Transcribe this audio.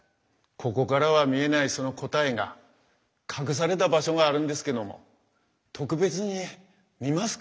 ここからは見えないその答えが隠された場所があるんですけども特別に見ますか？